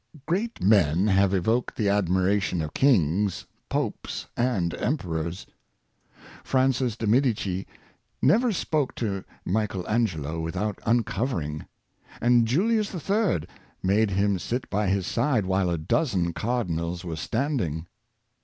Great men have evoked the admiration of kings, popes and emperors. Francis de Medicis never spoke to Michael Angelo without uncovering, and Julius III. made him sit by his side while a dozen cardinals were standing.